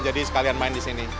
jadi sekalian main disini